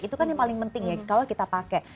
itu kan yang paling penting ya kalau kita pakai